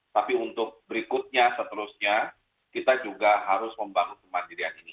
tapi untuk berikutnya seterusnya kita juga harus membangun kemandirian ini